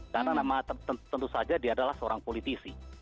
karena nama tentu saja dia adalah seorang politisi